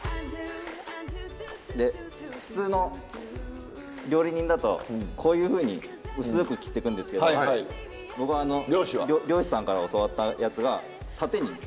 で普通の料理人だとこういうふうに薄く切ってくんですけど僕は漁師さんから教わったやつが縦に。